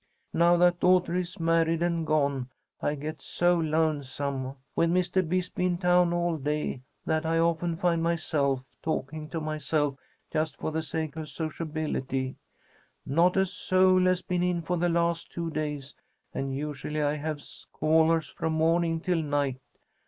Now that daughter is married and gone, I get so lonesome, with Mr. Bisbee in town all day, that I often find myself talking to myself just for the sake of sociability. Not a soul has been in for the last two days, and usually I have callers from morning till night.